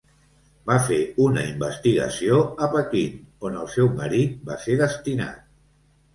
Va fer una investigació a Pequín, on el seu marit va ser destinat.